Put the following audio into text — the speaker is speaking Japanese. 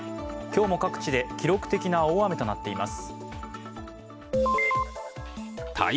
今日も各地で記録的な大雨となっています。